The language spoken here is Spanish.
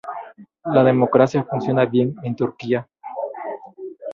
La democracia funciona bien en Turquía"".